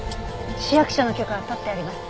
市役所の許可は取ってあります。